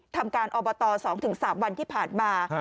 ทำการอบต๒๓วันที่ผ่านมา